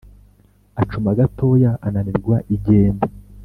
Acuma gatoya ananirwa igenda